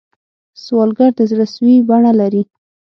سوالګر د زړه سوې بڼه لري